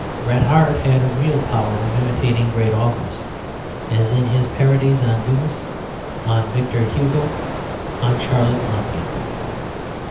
Bret Harte had a real power of imitating great authors, as in his parodies on Dumas, on Victor Hugo, on Charlotte Brontë.